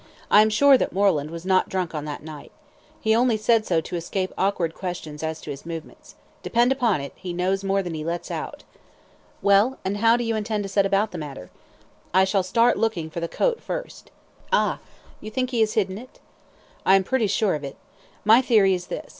"I am sure that Moreland was not drunk on that night. He only said so to escape awkward questions as to his movements. Depend upon it he knows more than he lets out." "Well, and how do you intend to set about the matter?" "I shall start looking for the coat first." "Ah! you think he has hidden it?" "I am sure of it. My theory is this.